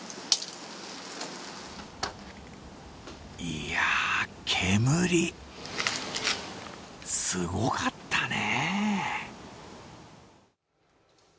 いや、煙、すごかったね。